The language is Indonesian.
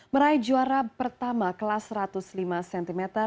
meraih juara pertama kelas satu ratus lima cm